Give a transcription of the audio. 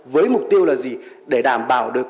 với mục tiêu là gì để đảm bảo được